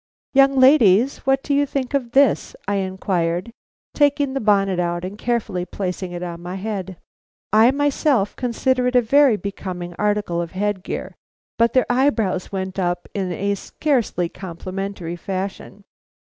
"Young ladies, what do you think of this?" I inquired, taking the bonnet out and carefully placing it on my head. I myself consider it a very becoming article of headgear, but their eyebrows went up in a scarcely complimentary fashion.